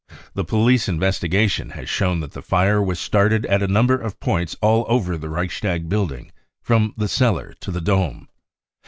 The police investigation has shown that the fire was started at a number of points all over the Reichstag building from the cellar to the dome.